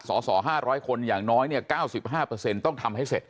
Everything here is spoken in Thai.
สส๕๐๐คนอย่างน้อย๙๕ต้องทำให้เสร็จ